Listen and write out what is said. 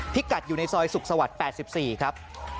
พิกัดอยู่ในซอยสุขสวรรค์แปดสิบสี่ครับ